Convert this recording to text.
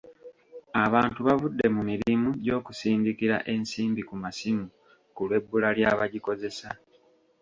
Abantu bavudde mu mirimu gy'okusindikira ensimbi ku masimu ku lw'ebbula ly'abagikozesa.